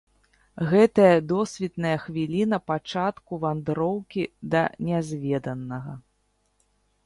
Гэтая досвітная хвіліна пачатку вандроўкі да нязведанага!